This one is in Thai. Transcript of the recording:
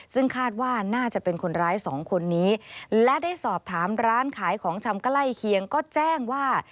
ซึ่งคาดว่าน่าจะเป็นคนร้ายสองคนนี้และได้สอบถามร้านขายของชำใกล้เคียงก็แจ้งว่า